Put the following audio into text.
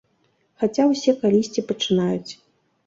Хаця ўсе калісьці пачынаюць.